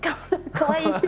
かわいい！